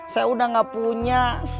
saya udah gak punya